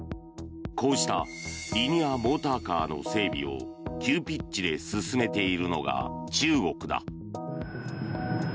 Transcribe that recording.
こうしたリニアモーターカーの整備を急ピッチで進めているのが中国だ。